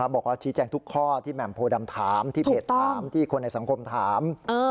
บอกว่าชี้แจงทุกข้อที่แหม่มโพดำถามที่เพจถามที่คนในสังคมถาม